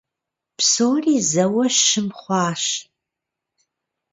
Псори зэуэ щым хъуащ.